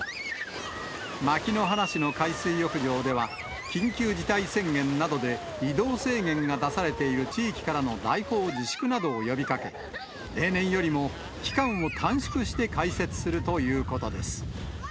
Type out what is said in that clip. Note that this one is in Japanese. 牧之原市の海水浴場では、緊急事態宣言などで移動制限が出されている地域からの来訪自粛などを呼びかけ、例年よりも期間を短縮して開設するということです。